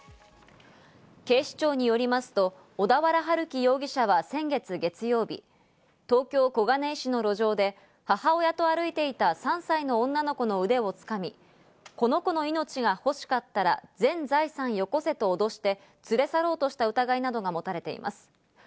警視庁によりますと、小田原春輝容疑者は先月、東京・小金井市の路上で母親と歩いていた３歳の女の子の腕を掴み、この子の命がほしかったら全財産をよこせとおどして連れ去ろうとした疑いなどが持たれています。